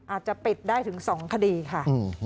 อาจจะปิดได้ถึง๒คดีค่ะ